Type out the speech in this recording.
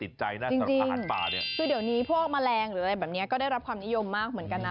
เดี๋ยวนี้พวกแมลงอะไรแบบนี้ก็ได้รับความนิยมมากเหมือนกันน่ะ